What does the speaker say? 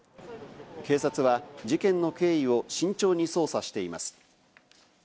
警察は事件の経緯を慎重に捜査しています。